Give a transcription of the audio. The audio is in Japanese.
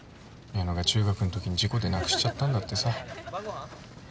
矢野が中学んときに事故で亡くしちゃったんだってさ。